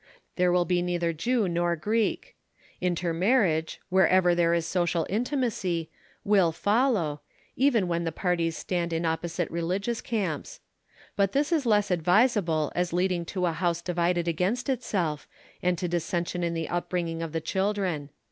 There will be neither Jew nor Greek. Intermarriage, wherever there is social intimacy, will follow, even when the parties stand in opposite religious camps; but this is less advisable as leading to a house divided against itself and to dissension in the upbringing of the children.